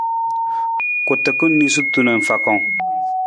Kutukun niisutu na fakang.